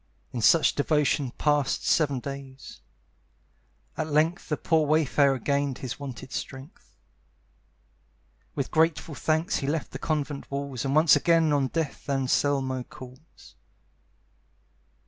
In such devotion passed seven days. At length The poor wayfarer gained his wonted strength. With grateful thanks he left the convent walls, And once again on death Anselmo calls.